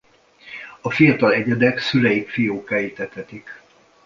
A fiatal egyedek szüleik fiókáit etetik.